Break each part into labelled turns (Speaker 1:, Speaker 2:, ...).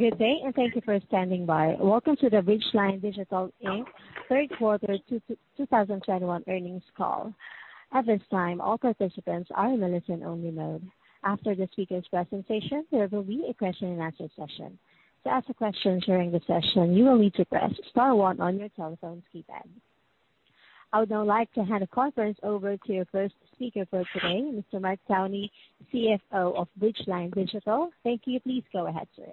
Speaker 1: Good day, thank you for standing by. Welcome to the Bridgeline Digital, Inc. third quarter 2021 earnings call. At this time, all participants are in listen only mode. After the speaker's presentation, there will be a question-and-answer session. To ask a question during the session, you will need to press star one on your telephone's keypad. I would now like to hand the conference over to your first speaker for today, Mr. Mark Downey, CFO of Bridgeline Digital. Thank you. Please go ahead, sir.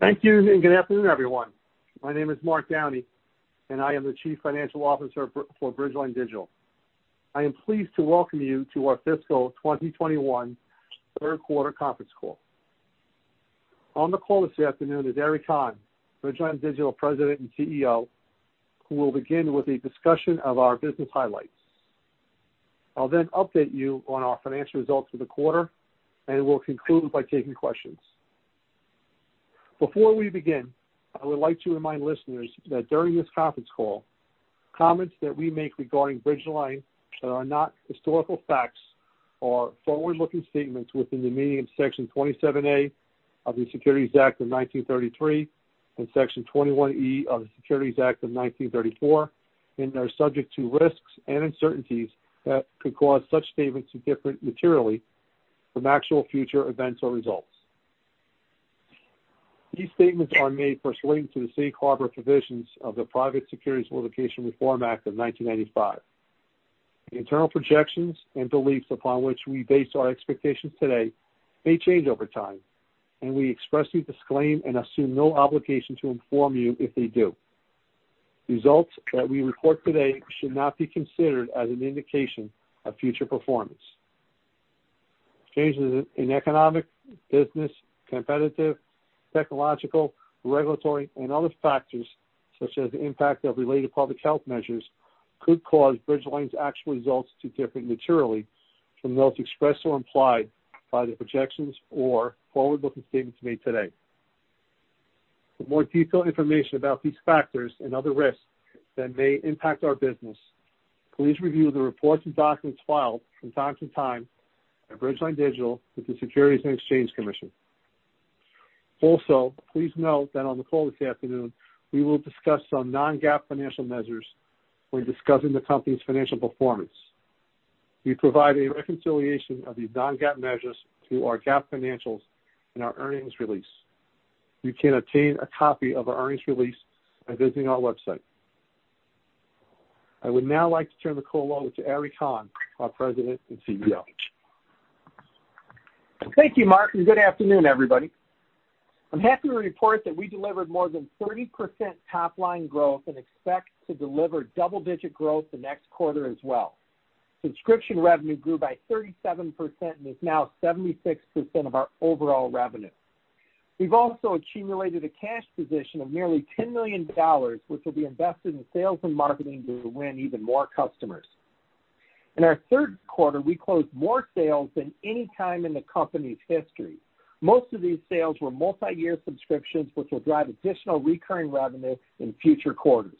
Speaker 2: Thank you, and good afternoon, everyone. My name is Mark Downey, and I am the Chief Financial Officer for Bridgeline Digital. I am pleased to welcome you to our fiscal 2021 third quarter conference call. On the call this afternoon is Ari Kahn, Bridgeline Digital President and CEO, who will begin with a discussion of our business highlights. I'll then update you on our financial results for the quarter, and we'll conclude by taking questions. Before we begin, I would like to remind listeners that during this conference call, comments that we make regarding Bridgeline that are not historical facts are forward-looking statements within the meaning of Section 27A of the Securities Act of 1933 and Section 21E of the Securities Exchange Act of 1934 and are subject to risks and uncertainties that could cause such statements to differ materially from actual future events or results. These statements are made pursuant to the safe harbor provisions of the Private Securities Litigation Reform Act of 1995. The internal projections and beliefs upon which we base our expectations today may change over time, and we expressly disclaim and assume no obligation to inform you if they do. Results that we report today should not be considered as an indication of future performance. Changes in economic, business, competitive, technological, regulatory, and other factors, such as the impact of related public health measures, could cause Bridgeline's actual results to differ materially from those expressed or implied by the projections or forward-looking statements made today. For more detailed information about these factors and other risks that may impact our business, please review the reports and documents filed from time to time by Bridgeline Digital with the Securities and Exchange Commission. Please note that on the call this afternoon, we will discuss some non-GAAP financial measures when discussing the company's financial performance. We provide a reconciliation of these non-GAAP measures to our GAAP financials in our earnings release. You can obtain a copy of our earnings release by visiting our website. I would now like to turn the call over to Ari Kahn, our President and CEO.
Speaker 3: Thank you, Mark, and good afternoon, everybody. I'm happy to report that we delivered more than 30% top-line growth and expect to deliver double-digit growth the next quarter as well. Subscription revenue grew by 37% and is now 76% of our overall revenue. We've also accumulated a cash position of nearly $10 million, which will be invested in sales and marketing to win even more customers. In our third quarter, we closed more sales than any time in the company's history. Most of these sales were multi-year subscriptions, which will drive additional recurring revenue in future quarters.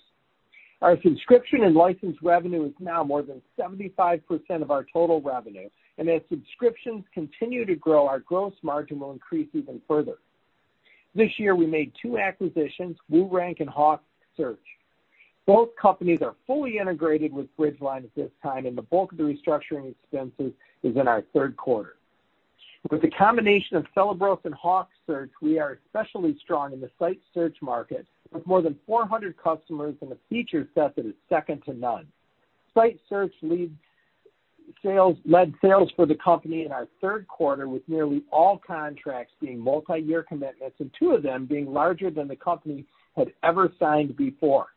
Speaker 3: Our subscription and license revenue is now more than 75% of our total revenue, and as subscriptions continue to grow, our gross margin will increase even further. This year, we made two acquisitions, WooRank and HawkSearch. Both companies are fully integrated with Bridgeline at this time, and the bulk of the restructuring expenses is in our third quarter. With the combination of Celebros and HawkSearch, we are especially strong in the site search market, with more than 400 customers and a feature set that is second to none. Site search led sales for the company in our third quarter, with nearly all contracts being multi-year commitments and two of them being larger than the company had ever signed before.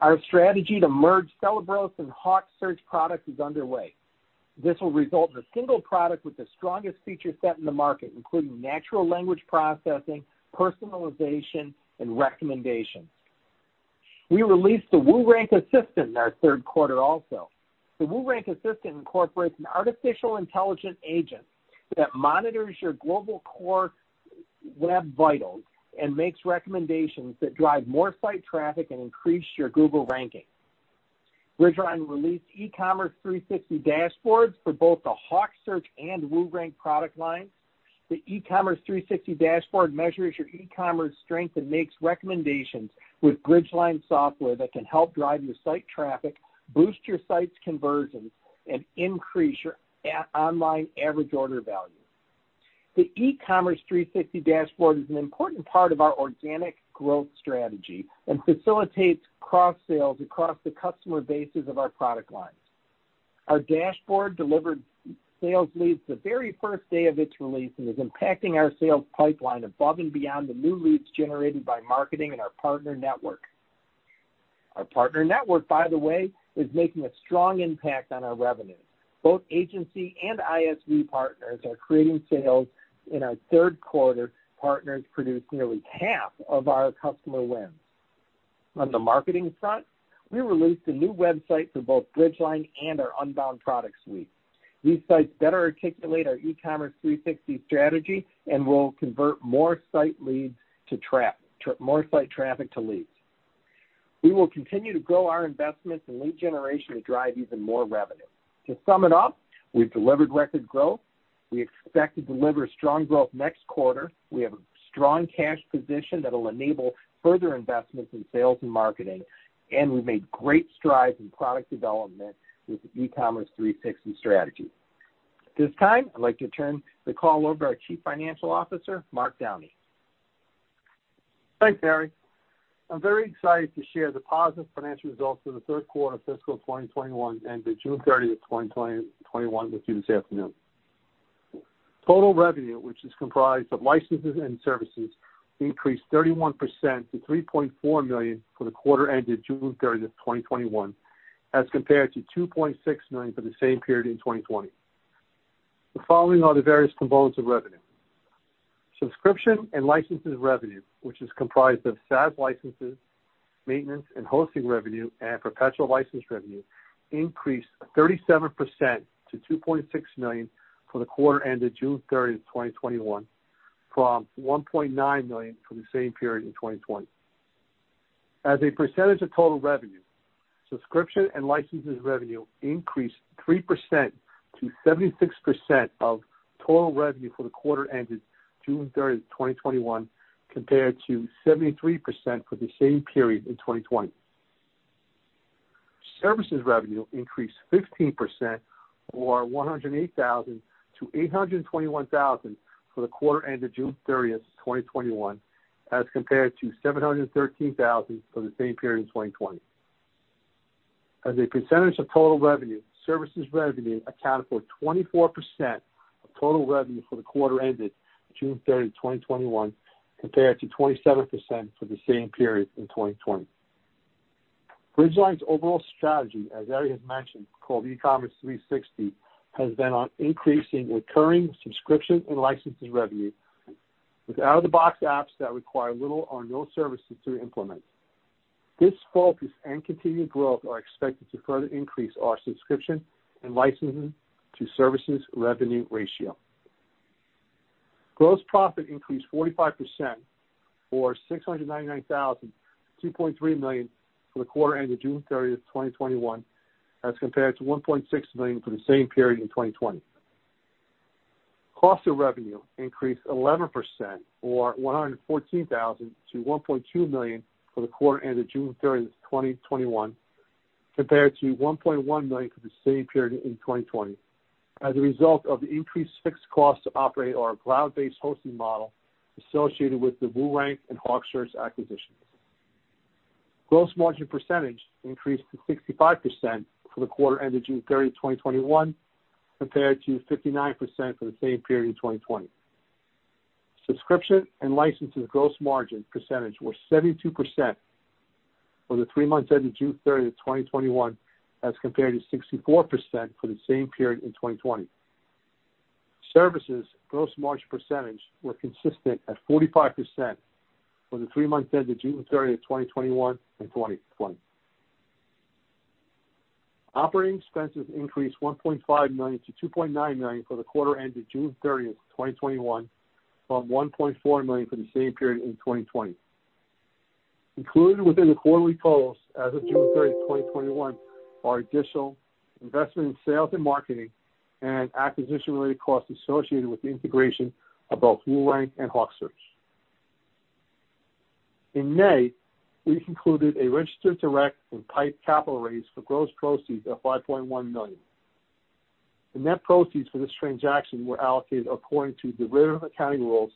Speaker 3: Our strategy to merge Celebros and HawkSearch products is underway. This will result in a single product with the strongest feature set in the market, including natural language processing, personalization, and recommendations. We released the WooRank Assistant in our third quarter also. The WooRank Assistant incorporates an artificial intelligent agent that monitors your global core web vitals and makes recommendations that drive more site traffic and increase your Google ranking. Bridgeline released eCommerce360 Dashboards for both the HawkSearch and WooRank product lines. The eCommerce360 Dashboard measures your e-commerce strength and makes recommendations with Bridgeline software that can help drive your site traffic, boost your site's conversions, and increase your online average order value. The eCommerce360 Dashboard is an important part of our organic growth strategy and facilitates cross-sales across the customer bases of our product lines. Our dashboard delivered sales leads the very first day of its release and is impacting our sales pipeline above and beyond the new leads generated by marketing and our partner network. Our partner network, by the way, is making a strong impact on our revenue. Both agency and ISV partners are creating sales. In our third quarter, partners produced nearly half of our customer wins. On the marketing front, we released a new website for both Bridgeline and our Unbound product suite. These sites better articulate our eCommerce360 strategy and will convert more site traffic to leads. We will continue to grow our investments in lead generation to drive even more revenue. To sum it up, we've delivered record growth, we expect to deliver strong growth next quarter, we have a strong cash position that'll enable further investments in sales and marketing, and we've made great strides in product development with eCommerce360 strategy. At this time, I'd like to turn the call over to our Chief Financial Officer, Mark Downey.
Speaker 2: Thanks, Ari. I'm very excited to share the positive financial results for the third quarter fiscal 2021 ended June 30th, 2021 with you this afternoon. Total revenue, which is comprised of licenses and services, increased 31% to $3.4 million for the quarter ended June 30th, 2021, as compared to $2.6 million for the same period in 2020. The following are the various components of revenue. Subscription and licenses revenue, which is comprised of SaaS licenses, maintenance, and hosting revenue, and perpetual license revenue, increased 37% to $2.6 million for the quarter ended June 30th, 2021, from $1.9 million for the same period in 2020. As a percentage of total revenue, subscription and licenses revenue increased 3% to 76% of total revenue for the quarter ended June 30th, 2021, compared to 73% for the same period in 2020. Services revenue increased 15%, or $108,000 to $821,000 for the quarter ended June 30th, 2021, as compared to $713,000 for the same period in 2020. As a percentage of total revenue, services revenue accounted for 24% of total revenue for the quarter ended June 30th, 2021, compared to 27% for the same period in 2020. Bridgeline's overall strategy, as Ari has mentioned, called eCommerce360, has been on increasing recurring subscription and licenses revenue with out-of-the-box apps that require little or no services to implement. This focus and continued growth are expected to further increase our subscription and licensing to services revenue ratio. Gross profit increased 45%, or $699,000 to $3.3 million for the quarter ended June 30th, 2021, as compared to $1.6 million for the same period in 2020. Cost of revenue increased 11%, or $114,000 to $1.2 million for the quarter ended June 30th, 2021, compared to $1.1 million for the same period in 2020, as a result of the increased fixed costs to operate our cloud-based hosting model associated with the WooRank and HawkSearch acquisitions. Gross margin percentage increased to 65% for the quarter ended June 30th, 2021, compared to 59% for the same period in 2020. Subscription and licenses gross margin percentage were 72% for the three months ended June 30th, 2021, as compared to 64% for the same period in 2020. Services gross margin percentage were consistent at 45% for the three months ended June 30th, 2021 and 2020. Operating expenses increased $1.5 million-$2.9 million for the quarter ended June 30th, 2021, from $1.4 million for the same period in 2020. Included within the quarterly totals as of June 30th, 2021, are additional investment in sales and marketing and acquisition-related costs associated with the integration of both WooRank and HawkSearch. In May, we concluded a registered direct and PIPE capital raise for gross proceeds of $5.1 million. The net proceeds for this transaction were allocated according to derivative accounting rules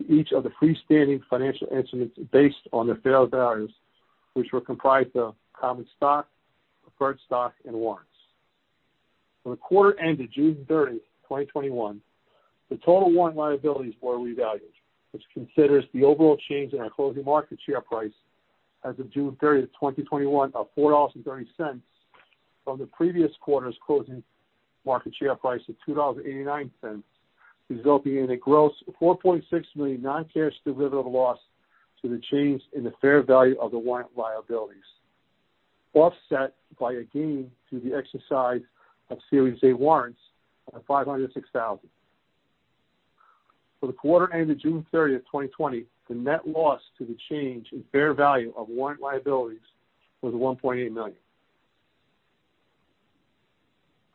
Speaker 2: to each of the freestanding financial instruments based on their fair values, which were comprised of common stock, preferred stock, and warrants. For the quarter ended June 30th, 2021, the total warrant liabilities were revalued, which considers the overall change in our closing market share price as of June 30th 2021 of $4.30 from the previous quarter's closing market share price of $2.89, resulting in a gross $4.6 million non-cash derivative loss to the change in the fair value of the warrant liabilities, offset by a gain through the exercise of Series A warrants of $506,000. For the quarter ended June 30th, 2020, the net loss to the change in fair value of warrant liabilities was $1.8 million.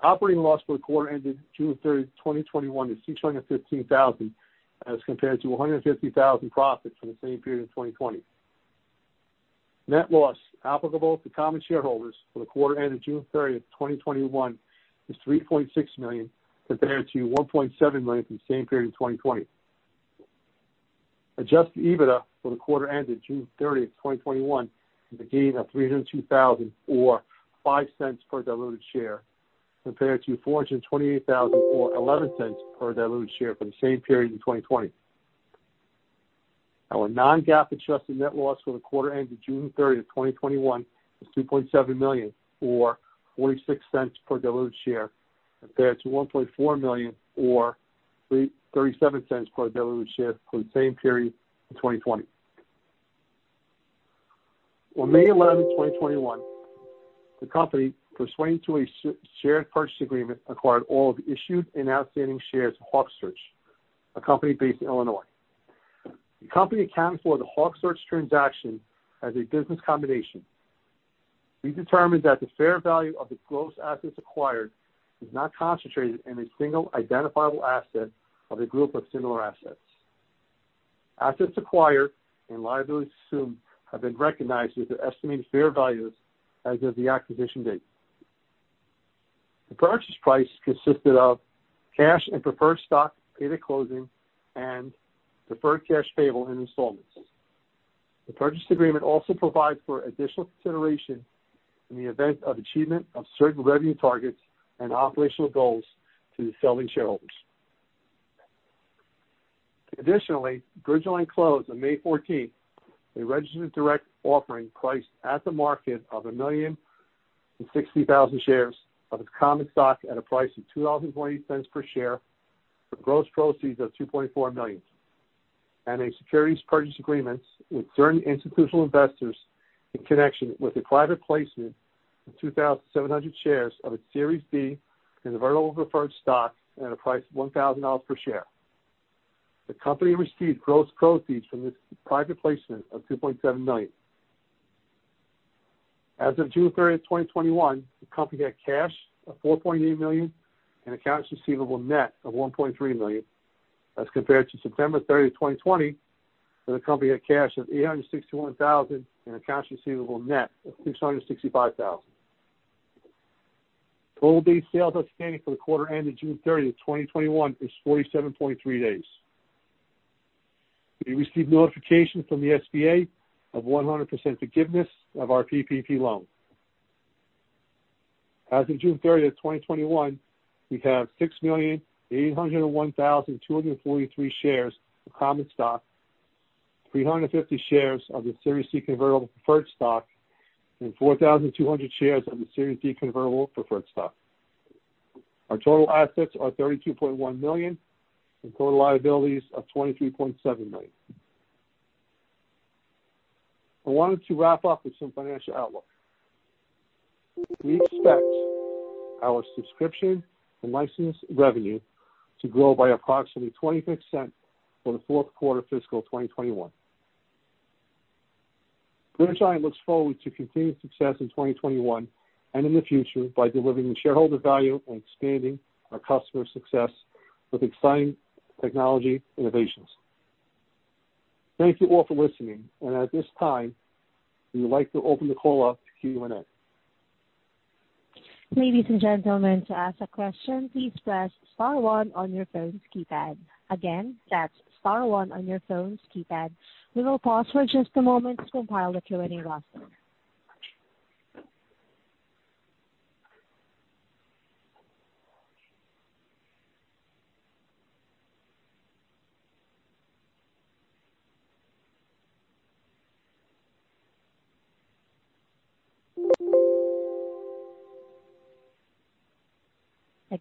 Speaker 2: Operating loss for the quarter ended June 30th, 2021 is $615,000, as compared to $150,000 profits for the same period in 2020. Net loss applicable to common shareholders for the quarter ended June 30th, 2021 is $3.6 million, compared to $1.7 million for the same period in 2020. Adjusted EBITDA for the quarter ended June 30th, 2021 is a gain of $302,000, or $0.05 per diluted share, compared to $428,000, or $0.11 per diluted share for the same period in 2020. Our non-GAAP adjusted net loss for the quarter ended June 30th, 2021 was $2.7 million, or $0.46 per diluted share, compared to $1.4 million, or $0.37 per diluted share for the same period in 2020. On May 11th, 2021, the company, pursuant to a shared purchase agreement, acquired all of the issued and outstanding shares of HawkSearch, a company based in Illinois. The company accounted for the HawkSearch transaction as a business combination. We determined that the fair value of the gross assets acquired is not concentrated in a single identifiable asset of a group of similar assets. Assets acquired and liabilities assumed have been recognized with their estimated fair values as of the acquisition date. The purchase price consisted of cash and preferred stock paid at closing and deferred cash payable in installments. The purchase agreement also provides for additional consideration in the event of achievement of certain revenue targets and operational goals to the selling shareholders. Additionally, Bridgeline closed on May 14th, a registered direct offering priced at the market of 1,060,000 shares of its common stock at a price of $2.20 per share for gross proceeds of $2.4 million, and a securities purchase agreements with certain institutional investors in connection with a private placement of 2,700 shares of its Series D convertible preferred stock at a price of $1,000 per share. The company received gross proceeds from this private placement of $2.7 million. As of June 30th, 2021, the company had cash of $4.8 million and accounts receivable net of $1.3 million as compared to September 30th, 2020, where the company had cash of $861,000 and accounts receivable net of $665,000. Total days sales outstanding for the quarter ended June 30th, 2021 is 47.3 days. We received notification from the SBA of 100% forgiveness of our PPP loan. As of June 30th, 2021, we have 6,801,243 shares of common stock, 350 shares of the Series C convertible preferred stock, and 4,200 shares of the Series D convertible preferred stock. Our total assets are $32.1 million and total liabilities of $23.7 million. I wanted to wrap up with some financial outlook. We expect our subscription and license revenue to grow by approximately 26% for the fourth quarter fiscal 2021. Bridgeline looks forward to continued success in 2021 and in the future by delivering shareholder value and expanding our customer success with exciting technology innovations. Thank you all for listening, and at this time, we would like to open the call up to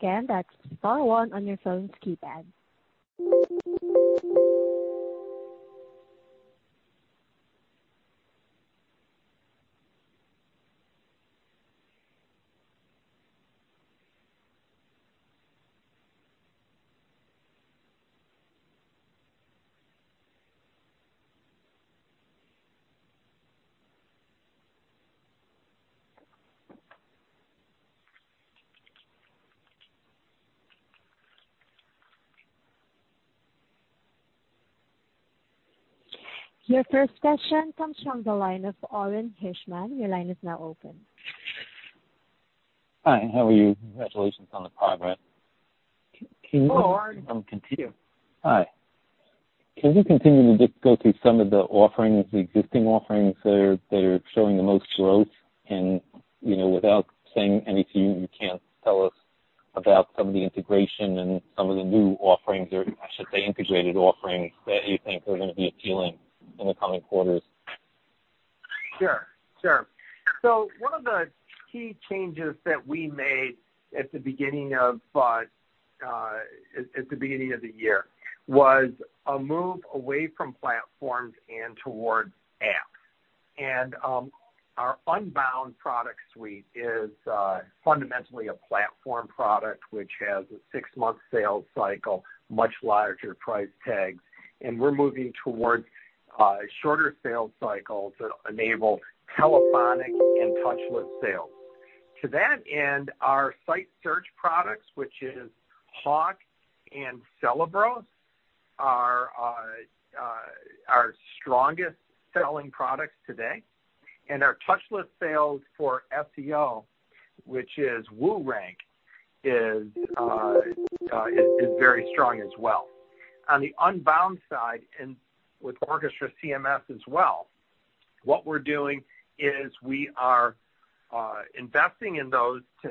Speaker 2: Q&A.
Speaker 1: Your first question comes from the line of Orin Hirschman. Your line is now open.
Speaker 4: Hi, how are you? Congratulations on the progress.
Speaker 2: Hello, Orin.
Speaker 4: Hi. Can you continue to just go through some of the offerings, the existing offerings that are showing the most growth? Without saying anything you can't tell us about some of the integration and some of the new offerings, or I should say integrated offerings, that you think are going to be appealing in the coming quarters.
Speaker 3: Sure. One of the key changes that we made at the beginning of the year was a move away from platforms and towards apps. Our Unbound product suite is fundamentally a platform product, which has a six-month sales cycle, much larger price tags, and we're moving towards shorter sales cycles that enable telephonic and touchless sales. To that end, our site search products, which is Hawk and Celebros, are our strongest selling products today. Our touchless sales for SEO, which is WooRank, is very strong as well. On the Unbound side and with OrchestraCMS as well, what we're doing is we are investing in those to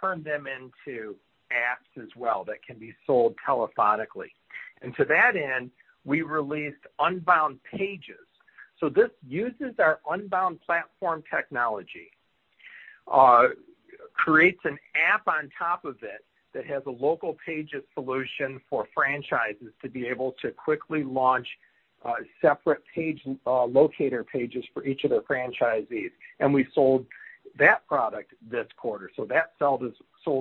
Speaker 3: turn them into apps as well that can be sold telephonically. To that end, we released Unbound Pages. This uses our Unbound platform technology. Creates an app on top of it that has a local pages solution for franchises to be able to quickly launch a separate page, locator pages for each of their franchisees. We sold that product this quarter, that sold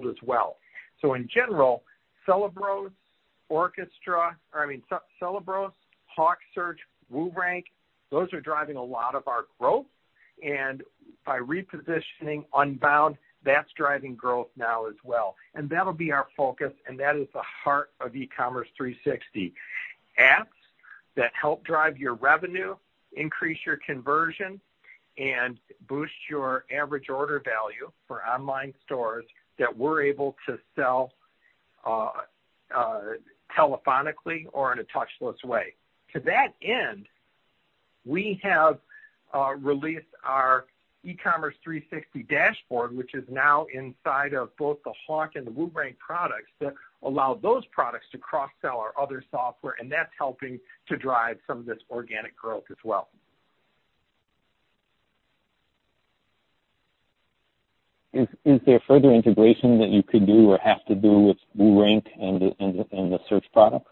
Speaker 3: as well. In general, Celebros, Orchestra, I mean, Celebros, HawkSearch, WooRank, those are driving a lot of our growth. By repositioning Unbound, that's driving growth now as well. That'll be our focus, and that is the heart of eCommerce360, apps that help drive your revenue, increase your conversion, and boost your average order value for online stores that we're able to sell telephonically or in a touchless way. To that end, we have released our eCommerce360 Dashboard, which is now inside of both the Hawk and the WooRank products that allow those products to cross-sell our other software, and that's helping to drive some of this organic growth as well.
Speaker 4: Is there further integration that you could do or have to do with WooRank and the search product?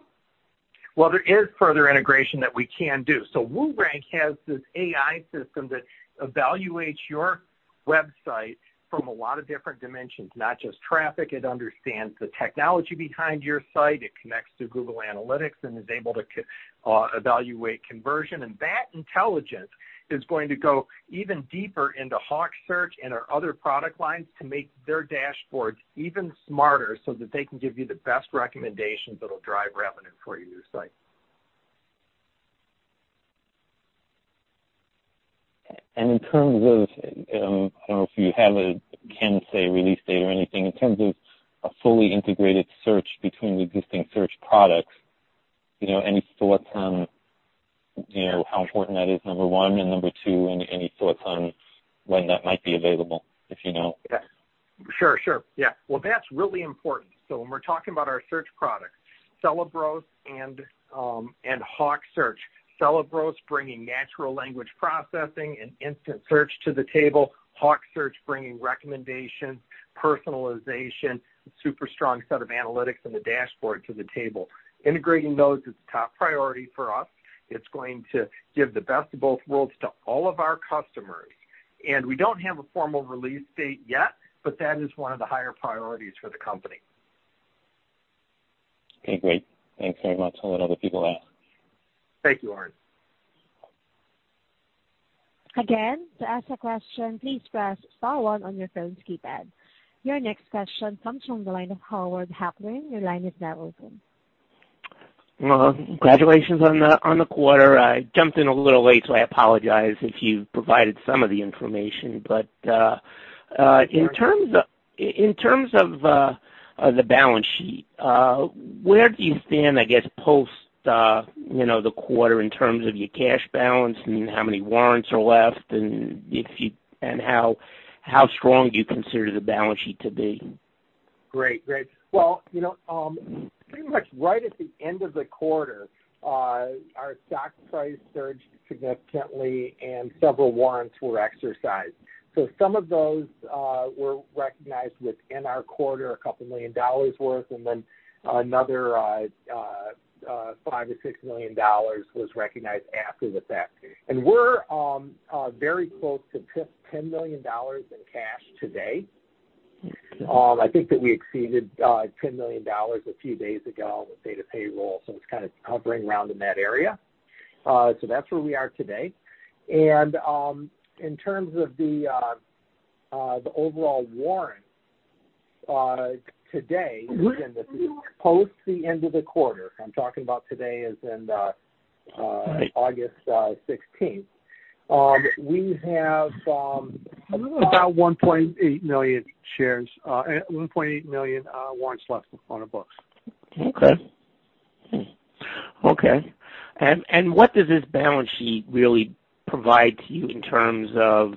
Speaker 3: There is further integration that we can do. WooRank has this AI system that evaluates your website from a lot of different dimensions, not just traffic. It understands the technology behind your site, it connects to Google Analytics and is able to evaluate conversion. That intelligence is going to go even deeper into HawkSearch and our other product lines to make their dashboards even smarter so that they can give you the best recommendations that'll drive revenue for your site.
Speaker 4: In terms of, I don't know if you have a, can say release date or anything, in terms of a fully integrated search between the existing search products, any thoughts on how important that is, number one, and number two, any thoughts on when that might be available, if you know?
Speaker 3: Sure, yeah. Well, that's really important. When we're talking about our search products, Celebros and HawkSearch. Celebros bringing natural language processing and instant search to the table, HawkSearch bringing recommendations, personalization, super strong set of analytics and the dashboard to the table. Integrating those is top priority for us. It's going to give the best of both worlds to all of our customers. We don't have a formal release date yet, but that is one of the higher priorities for the company.
Speaker 4: Okay, great. Thanks very much. I'll let other people ask.
Speaker 3: Thank you, Orin.
Speaker 1: Again, to ask a question, please press star one on your phone's keypad. Your next question comes from the line of Howard Halpern. Your line is now open.
Speaker 5: Well, congratulations on the quarter. I jumped in a little late, so I apologize if you've provided some of the information.
Speaker 3: That's all right.
Speaker 5: In terms of the balance sheet, where do you stand, I guess, post the quarter in terms of your cash balance and how many warrants are left, and how strong do you consider the balance sheet to be?
Speaker 3: Great. Well, pretty much right at the end of the quarter, our stock price surged significantly and several warrants were exercised. Some of those were recognized within our quarter, a couple million dollars worth, and then another $5 million-$6 million was recognized after the fact. We're very close to $10 million in cash today. I think that we exceeded $10 million a few days ago with paid a payroll, it's kind of hovering around in that area. That's where we are today. In terms of the overall warrants today. Post the end of the quarter, I'm talking about today, August 16th. We have about 1.8 million shares, 1.8 million warrants left on the books.
Speaker 5: Okay. What does this balance sheet really provide to you in terms of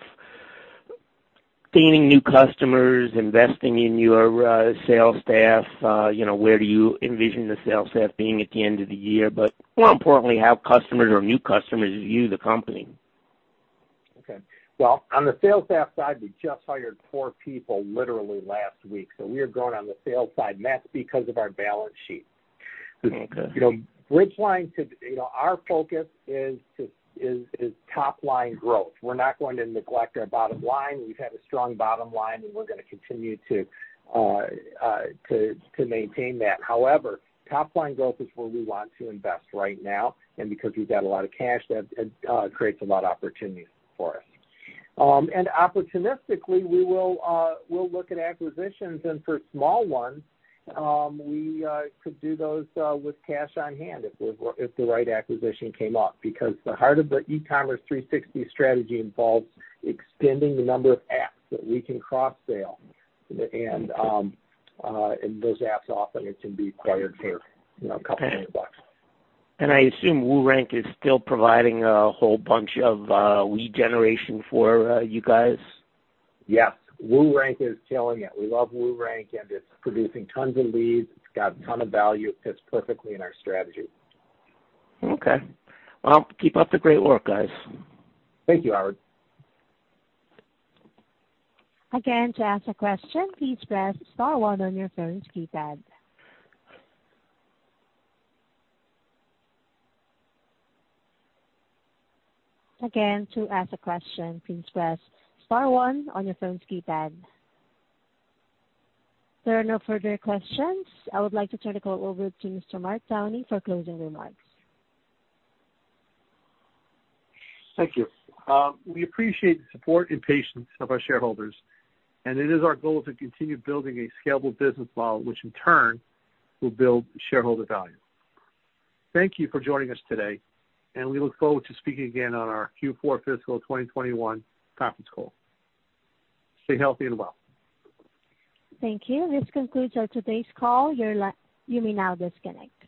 Speaker 5: gaining new customers, investing in your sales staff? Where do you envision the sales staff being at the end of the year? More importantly, how customers or new customers view the company?
Speaker 3: Okay. Well, on the sales staff side, we just hired four people literally last week, so we are growing on the sales side, and that's because of our balance sheet.
Speaker 5: Okay.
Speaker 3: Bridgeline, our focus is top line growth. We're not going to neglect our bottom line. We've had a strong bottom line and we're gonna continue to maintain that. However, top line growth is where we want to invest right now. Because we've got a lot of cash, that creates a lot of opportunities for us. Opportunistically, we'll look at acquisitions, and for small ones, we could do those with cash on hand if the right acquisition came up because the heart of the eCommerce360 strategy involves extending the number of apps that we can cross-sell. Those apps often can be acquired for $2 million.
Speaker 5: I assume WooRank is still providing a whole bunch of lead generation for you guys?
Speaker 3: Yes, WooRank is killing it. We love WooRank, and it's producing tons of leads. It's got a ton of value. It fits perfectly in our strategy.
Speaker 5: Okay. Well, keep up the great work, guys.
Speaker 3: Thank you, Howard.
Speaker 1: There are no further questions. I would like to turn the call over to Mr. Mark Downey for closing remarks.
Speaker 2: Thank you. We appreciate the support and patience of our shareholders, and it is our goal to continue building a scalable business model, which in turn will build shareholder value. Thank you for joining us today, and we look forward to speaking again on our Q4 fiscal 2021 conference call. Stay healthy and well.
Speaker 1: Thank you. This concludes our today's call, you may now disconnect.